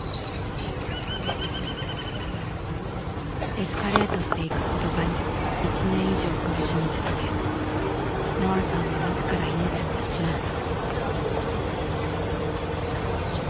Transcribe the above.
エスカレートしていく言葉に１年以上苦しみ続けのあさんは自ら命を絶ちました。